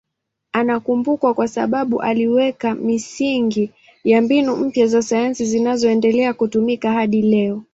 Anakumbukwa kwa sababu aliweka misingi ya mbinu mpya za sayansi zinazoendelea kutumika hadi leo.